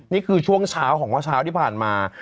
นี่คือช่วงเช้าของเมื่อเช้าที่ผ่านมา